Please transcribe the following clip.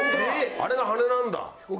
あれが羽なんだ！